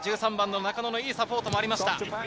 中野のいいサポートもありました。